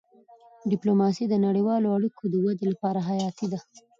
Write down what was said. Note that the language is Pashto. ډيپلوماسي د نړیوالو اړیکو د ودې لپاره حیاتي ده.